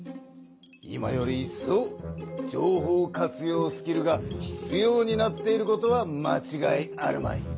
今よりいっそう情報活用スキルがひつようになっていることはまちがいあるまい。